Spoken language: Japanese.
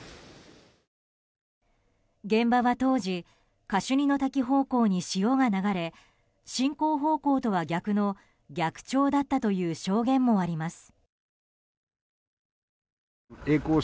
現場は当時カシュニの滝方向に潮が流れ進行方向とは逆の逆潮だったという証言もあります。